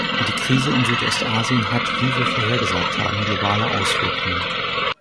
Die Krise in Südostasien hat, wie wir vorhergesehen haben, globale Auswirkungen.